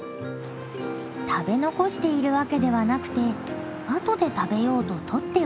食べ残しているわけではなくてあとで食べようと取っておく。